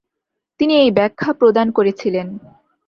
তিনি এই ব্যাখ্যা প্রদান করেছিলেন।